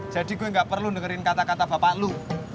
jadi gue gak perlu dengerin kata kata bapak lu